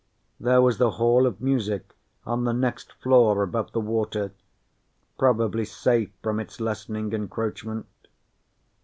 There was the Hall of Music on the next floor above the water, probably safe from its lessening encroachment.